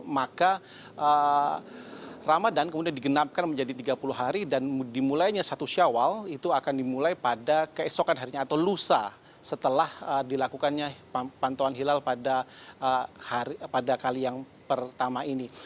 maka ramadan kemudian digenapkan menjadi tiga puluh hari dan dimulainya satu syawal itu akan dimulai pada keesokan harinya atau lusa setelah dilakukannya pantauan hilal pada kali yang pertama ini